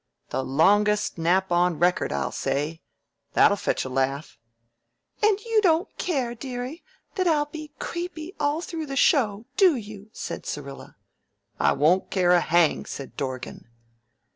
The longest nap on record,' I'll say. That'll fetch a laugh." "And you don't care, dearie, that I'll be creepy all through the show, do you?" said Syrilla. "I won't care a hang," said Dorgan.